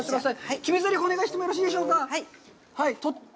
決めぜりふ、お願いしてもよろしいでしょうか。